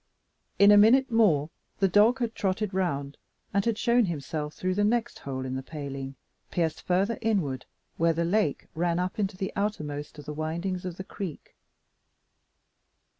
In a minute more, the dog had trotted round, and had shown himself through the next hole in the paling, pierced further inward where the lake ran up into the outermost of the windings of the creek.